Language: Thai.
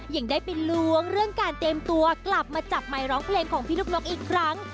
ยังได้ไปล้วงเรื่องการเตรียมตัวกลับมาจับไมค์ร้องเพลงของพี่นกนกอีกครั้ง